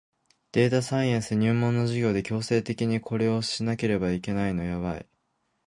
データサイエンス入門の授業で強制的にこれをしなければいけないのやばい